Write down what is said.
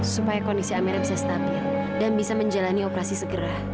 supaya kondisi amer bisa stabil dan bisa menjalani operasi segera